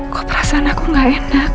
kok perasaan aku gak enak